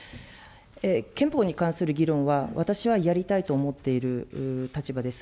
憲法に関する議論は、私はやりたいと思っている立場です。